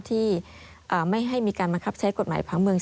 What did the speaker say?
ที่ไม่ให้มีการบังคับใช้กฎหมายผังเมือง